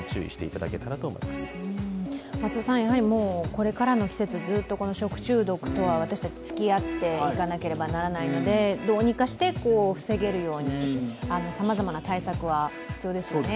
これからの季節、ずっと食中毒とは私たち、つきあっていかなればならないので、どうにかして防げるようにさまざまな対策は必要ですよね？